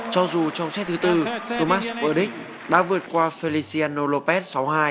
cho dù trong set thứ bốn thomas burdick đã vượt qua feliciano lopez sáu hai